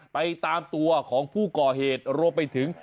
ไปตามตัวของผู้ก่อเหตุรวมไปถึง